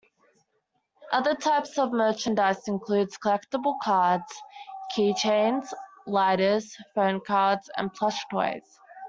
Other types of merchandise includes collectible cards, keychains, lighters, phonecards and plush toys.